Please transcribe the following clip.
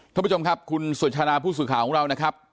ท่านผู้ชมครับคุณสุชาดาผู้สื่อข่าวของเรานะครับ